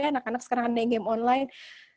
anak anak sekarang ada yang game online